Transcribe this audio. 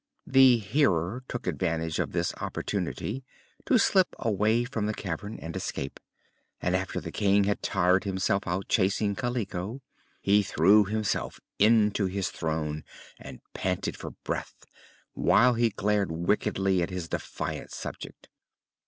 The Hearer took advantage of this opportunity to slip away from the cavern and escape, and after the King had tired himself out chasing Kaliko he threw himself into his throne and panted for breath, while he glared wickedly at his defiant subject.